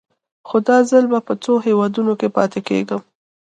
خو دا ځل به په څو هېوادونو کې پاتې کېږم.